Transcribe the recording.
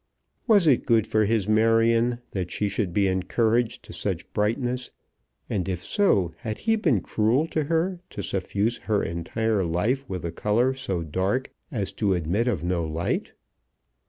Was it good for his Marion that she should be encouraged to such brightness; and if so, had he been cruel to her to suffuse her entire life with a colour so dark as to admit of no light?